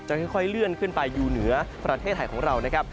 ค่อยเลื่อนขึ้นไปอยู่เหนือประเทศไทยของเรานะครับ